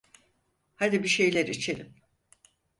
Hadi bir şeyler içelim.